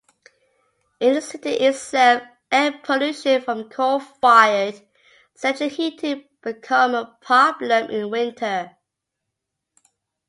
In the city itself, air pollution from coal-fired central-heating become a problem in winter.